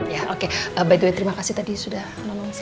ya oke by the way terima kasih tadi sudah menolong saya